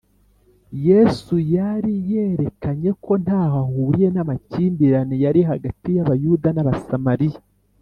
.” Yesu yari yerekanye ko ntaho ahuriye n’amakimbirane yari hagati y’Abayuda n’Abasamariya